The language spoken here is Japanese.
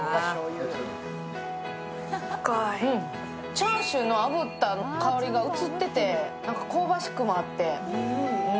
チャーシューのあぶった香りが移ってて、香ばしくもあって。